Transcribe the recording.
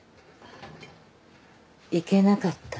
いけなかった？